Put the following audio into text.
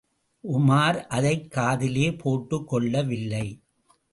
உமார் அதைக் காதிலே போட்டுக் கொள்ளவில்லை.